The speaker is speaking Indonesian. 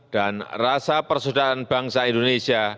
dan rasa persaudaraan bangsa indonesia